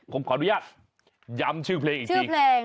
ผมขออนุญาตย้ำชื่อเพลงอีกที